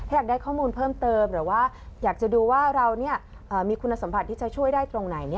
อยากได้ข้อมูลเพิ่มเติมหรือว่าอยากจะดูว่าเรามีคุณสมบัติที่จะช่วยได้ตรงไหน